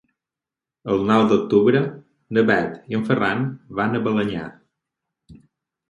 El nou d'octubre na Bet i en Ferran van a Balenyà.